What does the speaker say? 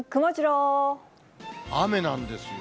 雨なんですよ。